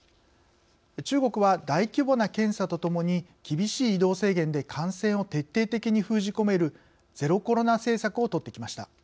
中国は、大規模な検査とともに厳しい移動制限で感染を徹底的に封じ込めるゼロコロナ政策をとってきました。